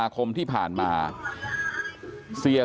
เก